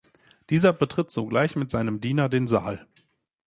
Dieser betritt sogleich mit seinem Diener den Saal.